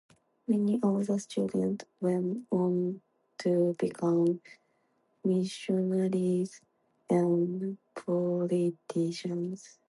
Many of the students went on to become missionaries and politicians.